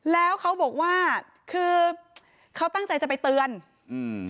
แล้วเขาบอกว่าคือเขาตั้งใจจะไปเตือนอืม